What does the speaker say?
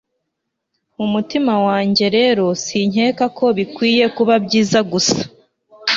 mu mutima wanjye rero sinkeka ko bikwiye kuba byiza gusa